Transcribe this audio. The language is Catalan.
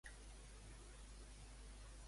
I després de marxar i retornar al Romea?